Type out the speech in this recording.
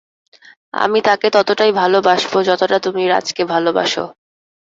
আমি তাকে ততটাই ভালোবাসবো যতটা তুমি রাজ-কে ভালোবাসো।